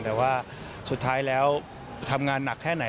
แต่ว่าสุดท้ายแล้วทำงานหนักแค่ไหน